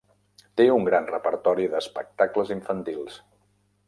Té un gran repertori d'espectacles infantils.